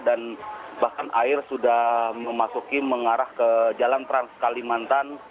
dan bahkan air sudah memasuki mengarah ke jalan trans kalimantan